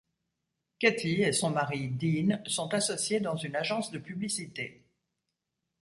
Kathy et son mari, Dean, sont associés dans une agence de publicité.